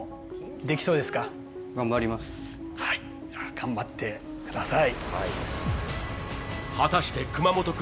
頑張ってください。